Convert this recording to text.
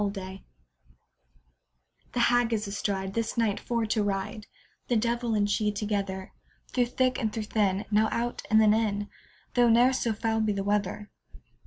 THE HAG The Hag is astride, This night for to ride, The devil and she together; Through thick and through thin, Now out, and then in, Though ne'er so foul be the weather.